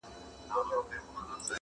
چي لغتي د ناکسو باندي اوري -